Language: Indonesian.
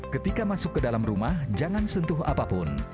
ketika masuk ke dalam rumah jangan sentuh apapun